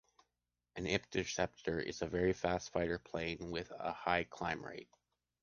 An interceptor is a very fast fighter plane with a high climb rate.